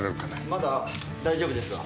まだ大丈夫ですが。